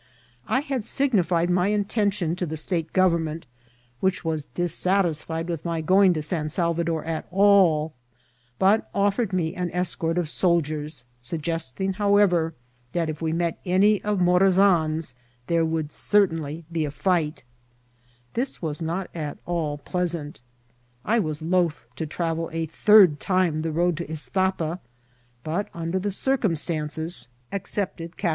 I had signified my intention to the state government, which was dissatisfied with my going to San Salvador at all, but offered me an escort of sol diers, suggesting, however, that if we met any of Mora» zan's there would certainly be a fight* This was not at all pleasant I was loth to travel a third time the road to Istapa, but, under the circumstances, accepted 304 INCIDXNTS OP TEATBL.